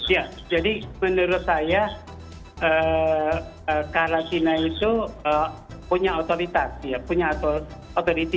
ya jadi menurut saya karantina itu punya otoritas ya punya otoritas